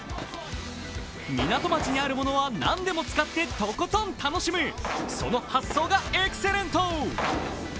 港町にあるものは何でも使ってとことん楽しむ、その発想がエクセレント。